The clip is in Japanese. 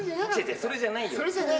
それじゃないの？